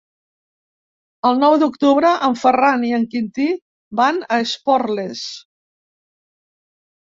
El nou d'octubre en Ferran i en Quintí van a Esporles.